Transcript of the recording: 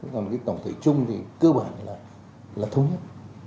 còn cái tổng thể chung thì cơ bản là thống nhất